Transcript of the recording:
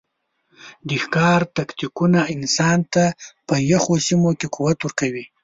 د ښکار تکتیکونو انسان ته په یخو سیمو کې قوت ورکړ.